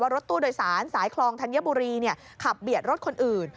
รถตู้โดยสารสายคลองธัญบุรีขับเบียดรถคนอื่น